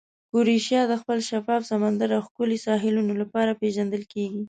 کروشیا د خپل شفاف سمندر او ښکلې ساحلونو لپاره پېژندل کیږي.